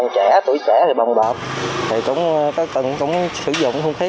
các đối tượng sử dụng vũ khí